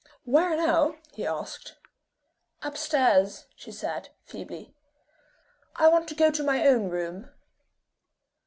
"Where now?" he asked. "Up stairs," she said, feebly. "I want to go to my own room."